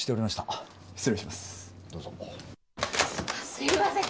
すいません。